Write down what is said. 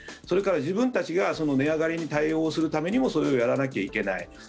それから自分たちが値上がりに対応するためにもそれをやらなきゃいけない。